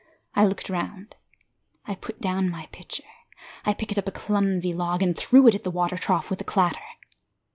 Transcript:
I looked round, I put down my pitcher, I picked up a clumsy log And threw it at the water trough with a clatter.